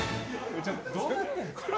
どうなってんの？